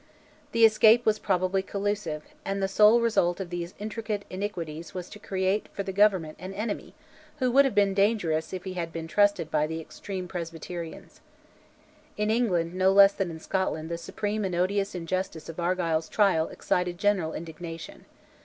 The escape was probably collusive, and the sole result of these intricate iniquities was to create for the Government an enemy who would have been dangerous if he had been trusted by the extreme Presbyterians. In England no less than in Scotland the supreme and odious injustice of Argyll's trial excited general indignation.